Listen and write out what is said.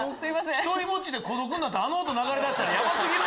独りぼっちで孤独になってあの音流れだしたらヤバ過ぎる。